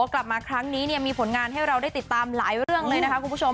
กลับมาครั้งนี้มีผลงานให้เราได้ติดตามหลายเรื่องเลยนะคะคุณผู้ชม